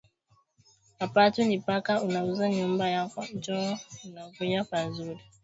Apatu ni paka una uza nyumba yako njo unakuya pazuri